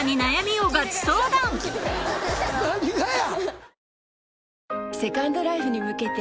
何がや！